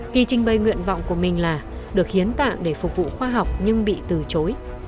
thì trình bày nguyện vọng của mình là được hiến tạng để phục vụ khoa học nhưng bị từ chối